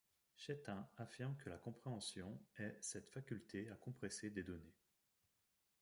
Chaitin affirme que la compréhension est cette faculté à compresser des données.